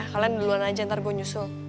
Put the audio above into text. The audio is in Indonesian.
kalian duluan aja ntar gue nyusul